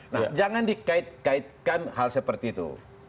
nah jangan dikait kaitkan hal seperti itu